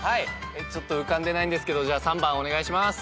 ちょっと浮かんでないんですけど３番お願いします。